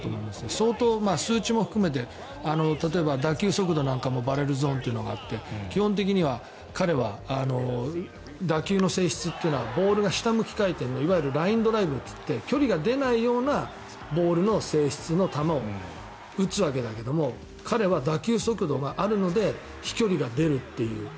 相当、数値も含めて例えば打球速度なんかもバレルゾーンというのがあって基本的には彼は打球の性質というのはボールが下向き回転でいわゆるラインドライブといって距離が出ないようなボールの性質の球を打つわけだけど彼は打球速度があるので飛距離が出るという。